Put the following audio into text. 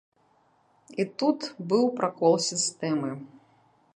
І тут быў пракол сістэмы.